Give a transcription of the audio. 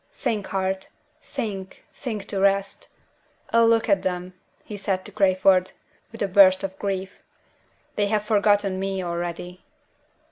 Sink, heart! sink, sink to rest! Oh, look at them!" he said to Crayford, with a burst of grief. "They have forgotten me already."